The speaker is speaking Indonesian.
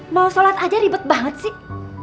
mau sholat aja ribet banget sih